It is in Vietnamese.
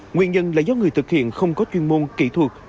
nguyên nhân là do người thực hiện không có chuyên môn kỹ thuật